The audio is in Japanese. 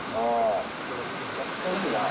めちゃくちゃいいな。